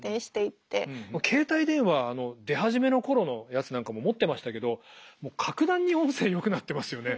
携帯電話出始めの頃のやつなんかも持ってましたけどもう格段に音声よくなってますよね。